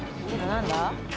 何だ？